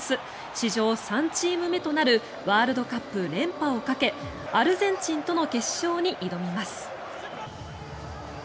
史上３チーム目となるワールドカップ連覇をかけアルゼンチンとの決勝に挑みます。